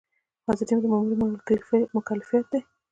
حاضري د مامور مکلفیت دی